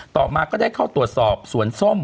ต่อมาก็ได้เข้าตรวจสอบสวนส้ม